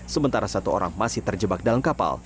sementara satu orang masih terjebak dalam kapal